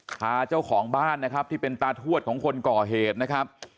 พาเจ้าของบ้านนะครับที่เป็นตาทวดของคนก่อเหตุนะครับ